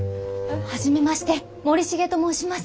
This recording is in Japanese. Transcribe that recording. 初めまして森重と申します。